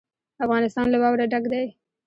افغانستان له واوره ډک دی.